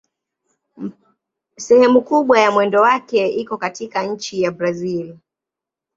Sehemu kubwa ya mwendo wake iko katika nchi ya Brazil.